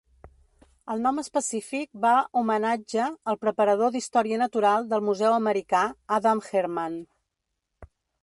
El nom específic va homenatge al preparador d'Història Natural del Museu Americà, Adam Hermann.